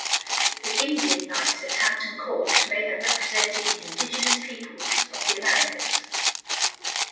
The Indian knights at Hampton Court may have represented Indigenous peoples of the Americas.